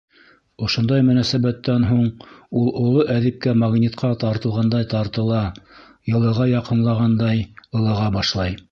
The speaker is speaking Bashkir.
Ошондай мөнәсәбәттән һуң ул оло әҙипкә магнитҡа тартылғандай тартыла, йылыға яҡынлағандай ылыға башлай.